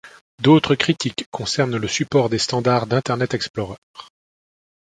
D'autres critiques concernent le support des standards d'Internet Explorer.